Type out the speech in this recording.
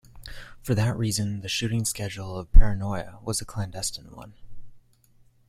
For that reason, the shooting schedule of "Paranoia" was a clandestine one.